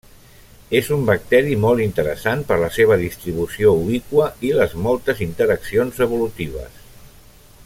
És un bacteri molt interessant per la seva distribució ubiqua i les moltes interaccions evolutives.